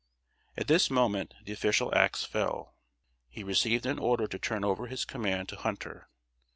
At this moment the official ax fell. He received an order to turn over his command to Hunter.